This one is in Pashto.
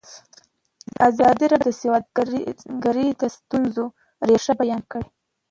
ازادي راډیو د سوداګري د ستونزو رېښه بیان کړې.